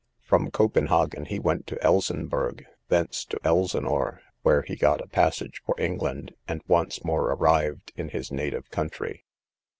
From Copenhagen he went to Elsinburgh, thence to Elsinore, where he got a passage for England, and once more arrived in his native country.